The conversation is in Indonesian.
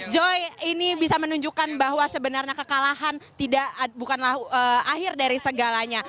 joy ini bisa menunjukkan bahwa sebenarnya kekalahan bukanlah akhir dari segalanya